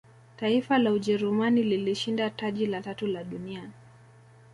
taifa la ujerumani lilishinda taji la tatu la dunia